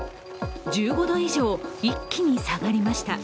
１５度以上、一気に下がりました。